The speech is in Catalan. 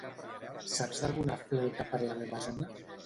Saps d'alguna fleca per la meva zona?